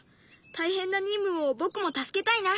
大変な任務を僕も助けたいな。